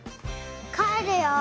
かえるよ。